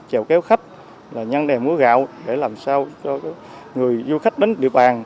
chèo kéo khách là nhăn đè muối gạo để làm sao cho người du khách đến địa bàn